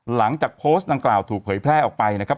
หลังจากโพสต์ดังกล่าวถูกเผยแพร่ออกไปนะครับ